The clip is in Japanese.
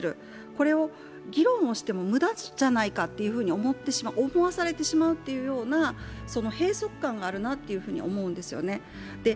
これを議論をしても無駄じゃないかと思ってしまう思わされてしまうという閉塞感があると思うんですよね。